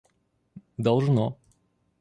должно